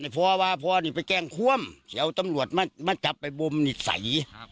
พอว่าพ่อนี่ไปแกล้งควมเดี๋ยวตำรวจมาจับไปบมนิสัย